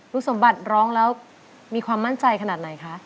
สมบัติร้องแล้วมีความมั่นใจขนาดไหนคะ